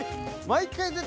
毎回。